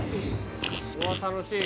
うわ楽しい。